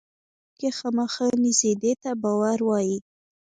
یو څوک یې خامخا نیسي دې ته باور وایي.